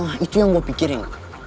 wah itu yang gue pikirin